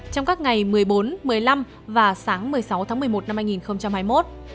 trong các ngày một mươi bốn một mươi năm và sáng một mươi sáu tháng một mươi một năm hai nghìn hai mươi một